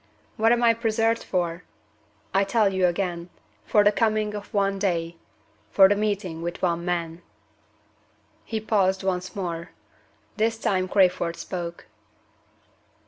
What am I preserved for? I tell you again, for the coming of one day for the meeting with one man." He paused once more. This time Crayford spoke.